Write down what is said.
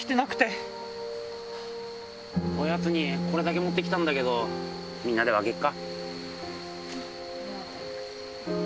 おやつにこれだけ持って来たけどみんなで分けっか。